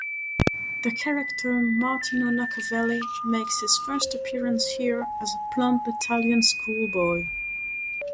The character Martino Knockavelli makes his first appearance here as a plump Italian schoolboy.